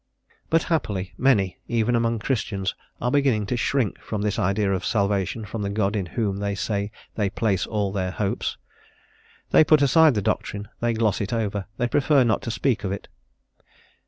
But happily many, even among Christians, are beginning to shrink from this idea of salvation from the God in whom they say they place all their hopes. They put aside the doctrine, they gloss it over, they prefer not to speak of it.